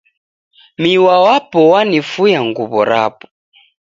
Miwa wapo w'anifuya nguw'o rapo